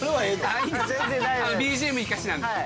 ＢＧＭ生かしなんで。